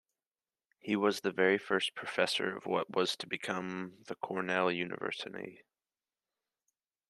He was the very first professor of what was to become the Cornell University.